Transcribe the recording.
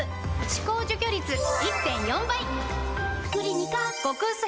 歯垢除去率 １．４ 倍！